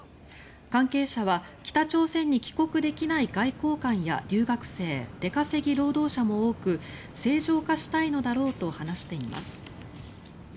関係者は北朝鮮に帰国できない外交官や留学生出稼ぎ労働者も多く正常化したいのだろうと話しています。